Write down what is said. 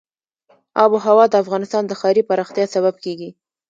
آب وهوا د افغانستان د ښاري پراختیا سبب کېږي.